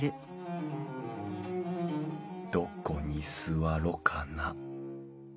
どこに座ろかな。